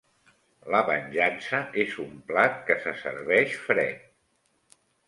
La venjança és un plat que se serveix fred-